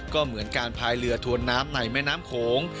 ก็เหมือนการพายเรือทวนน้ำในแม่น้ำโขง